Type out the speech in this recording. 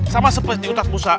sama seperti udah musa